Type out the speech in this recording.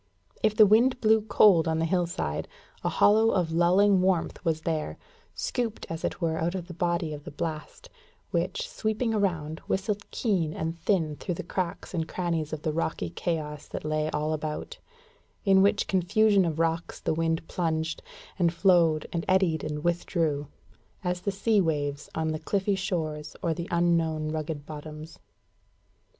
If the wind blew cold on the hillside, a hollow of lulling warmth was there, scooped as it were out of the body of the blast, which, sweeping around, whistled keen and thin through the cracks and crannies of the rocky chaos that lay all about; in which confusion of rocks the wind plunged, and flowed, and eddied, and withdrew, as the sea waves on the cliffy shores or the unknown rugged bottoms.